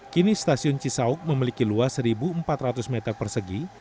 kini stasiun cisauk memiliki luas satu empat ratus meter persegi